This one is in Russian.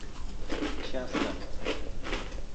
часто